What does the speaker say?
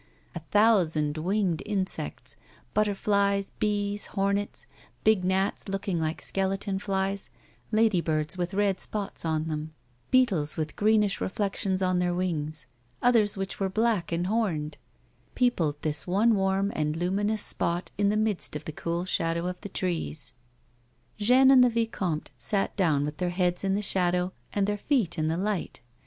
A thousand winged insects — butterflies, bees, hornets, big gnats looking like skeleton flies> ladybirds with red spots on them, beetles with greenish re flections on their wings, others which were black and horned — peopled this one warm and luminous spot in the midst of the cool shadow of the trees. Jeanne and the vicomte sat down with their heads in the shadow and their feet in the light.